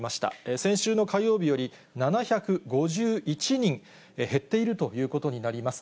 先週の火曜日より７５１人減っているということになります。